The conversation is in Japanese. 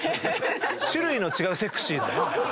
種類の違うセクシー。